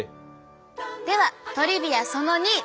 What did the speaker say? ではトリビアその２。